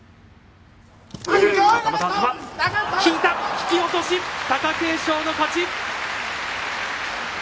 引き落とし、貴景勝の勝ち。